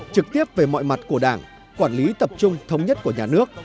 trực tiếp về mọi mặt của đảng quản lý tập trung thống nhất của nhà nước